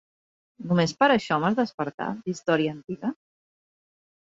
Només per a això m'has despertat, història antiga?